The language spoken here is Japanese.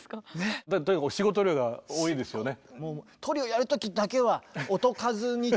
とにかく仕事量が多いですよね。